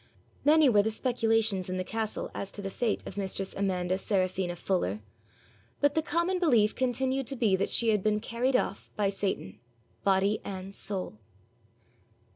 Many were the speculations in the castle as to the fate of mistress Amanda Serafina Fuller, but the common belief continued to be that she had been carried off by Satan, body and soul.